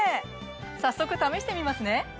早速試してみますね！